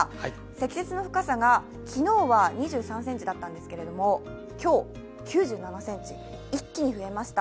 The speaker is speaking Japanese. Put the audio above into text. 積雪の深さが昨日は２３ｃｍだったんですけど、今日、９７ｃｍ、一気に増えました。